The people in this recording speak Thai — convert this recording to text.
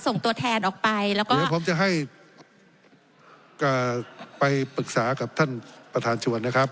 ส่งตัวแทนออกไปแล้วก็เดี๋ยวผมจะให้ไปปรึกษากับท่านประธานชวนนะครับ